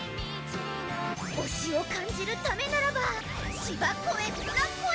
推しを感じるためならば芝越え砂越え